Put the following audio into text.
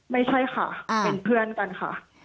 ไม่ใช่ค่ะเป็นเพื่อนกันค่ะ